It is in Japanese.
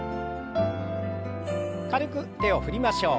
軽く手を振りましょう。